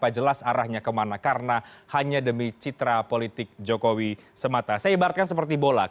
selamat malam bapak